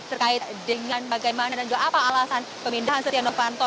terkait dengan bagaimana dan juga apa alasan pemindahan setia novanto